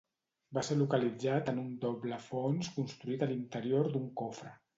Va ser localitzat en un doble fons construït a l'interior d'un cofre.